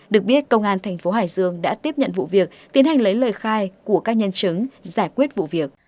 được biết công an thành phố hải dương đã tiếp nhận vụ việc tiến hành lấy lời khai của các nhân chứng giải quyết vụ việc